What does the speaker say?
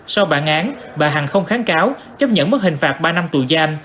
sau bản án bà hằng không kháng cáo chấp nhận mất hình phạt ba năm tù giam